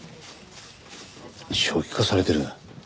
初期化されてる。